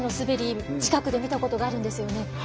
近くで見たことがあるんですよね。